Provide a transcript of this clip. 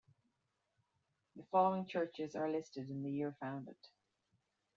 The following churches are listed in the year founded.